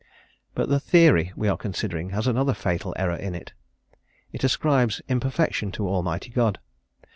But the theory we are considering has another fatal error in it: it ascribes imperfection to Almighty God.